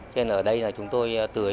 thế nên ở đây là chúng tôi tưới